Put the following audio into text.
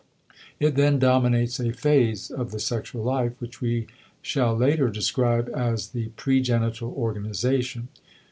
It then dominates a phase of the sexual life, which we shall later describe as the pregenital organization.